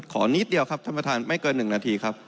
นิดเดียวครับท่านประธานไม่เกิน๑นาทีครับ